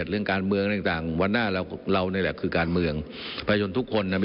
เราก็จะไม่ต้องสร้างนักการเมืองรุ่นใหม่